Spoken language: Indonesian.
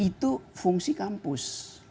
itu fungsi kampus